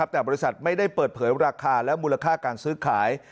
แต่บริษัทไม่ได้เปิดเผยราคาและมูลค่าการซื้อขาย